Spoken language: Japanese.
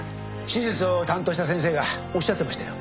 手術を担当した先生がおっしゃってましたよ。